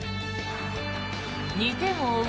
２点を追う